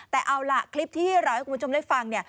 แต่เอาล่ะคลิปที่เราให้คุณผู้ชมได้ฟังเนี่ย